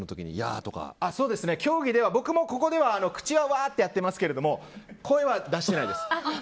競技では、僕も口ではわーってやってますけど声は出してないです。